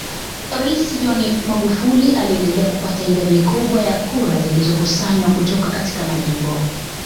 Rais John Magufuli aliendelea kupata idadi kubwa ya kura zilizokusanywa kutoka katika majimbo